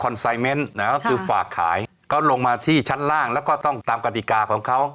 นะครับคือฝากขายก็ลงมาที่ชั้นล่างแล้วก็ต้องตามกฎิกาของเขา